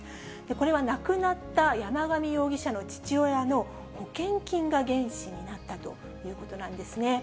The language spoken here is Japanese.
これは亡くなった山上容疑者の父親の保険金が原資になったということなんですね。